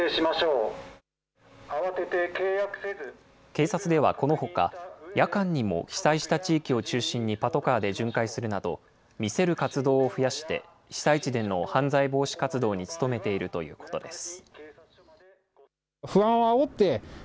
警察ではこのほか、夜間にも被災した地域を中心にパトカーで巡回するなど、見せる活動を増やして、被災地での犯罪防止活動に努めているということです。